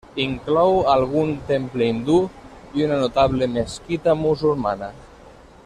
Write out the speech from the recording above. Inclou algun temple hindú i una notable mesquita musulmana.